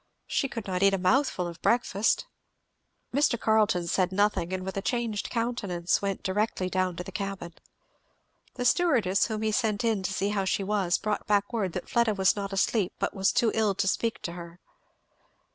She could not eat a mouthful of breakfast." Mr. Carleton said nothing and with a changed countenance went directly down to the cabin. The stewardess, whom he sent in to see how she was, brought back word that Fleda was not asleep but was too ill to speak to her.